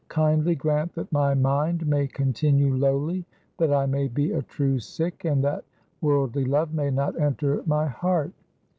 Kindly grant that my mind may continue lowly, that I may be a true Sikh, and that worldly love may not enter my heart.'